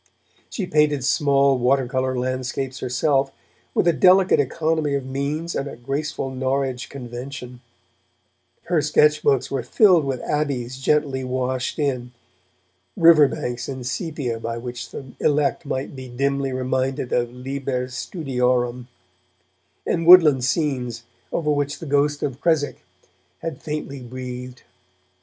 She painted small watercolour landscapes herself, with a delicate economy of means and a graceful Norwich convention; her sketch books were filled with abbeys gently washed in, river banks in sepia by which the elect might be dimly reminded of Liber Studiorum, and woodland scenes over which the ghost of Creswick had faintly breathed.